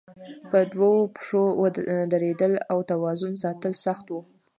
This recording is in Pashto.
په دوو پښو درېدل او توازن ساتل سخت وو.